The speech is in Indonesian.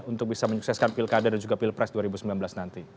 untuk bisa menyukseskan pilkada dan juga pilpres dua ribu sembilan belas nanti